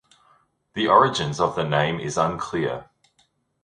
The origins of the name is unclear.